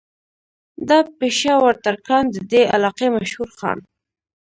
دا پېشه ور ترکاڼ د دې علاقې مشهور خان